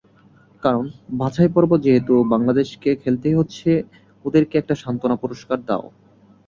কারণ, বাছাই পর্ব যেহেতু বাংলাদেশকে খেলতেই হচ্ছে, ওদেরকে একটা সান্ত্বনা পুরস্কার দাও।